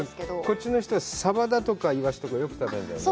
こっちの人は、サバだとかイワシとか、よく食べるんだよね。